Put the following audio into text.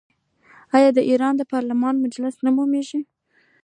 آیا د ایران پارلمان مجلس نه نومیږي؟